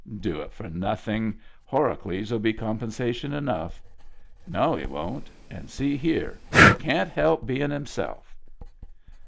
" Do it for nothing. Horacles'U be compensa tion enough." " No, he won't — And see here, he can't help being himself."